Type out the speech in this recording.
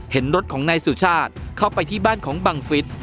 เห็นรถของนายสุชาติเข้าไปที่บ้านของบังฟิศ